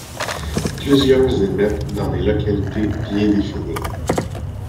Plusieurs émettent dans des localités bien définies.